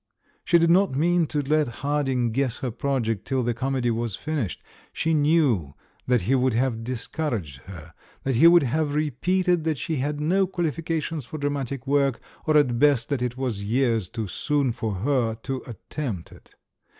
She did not mean to let Harding guess her project till the comedy was finished; she knew that he would have discour aged her, that he would have repeated that she had no quahfications for dramatic work, or, at best, that it was years too soon for her to attempt it.